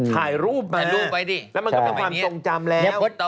ถ่ายรูปมาแล้วมันก็เป็นความทรงจำแล้ว